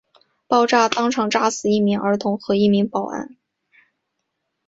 爆炸当场炸死一名儿童和一名保安。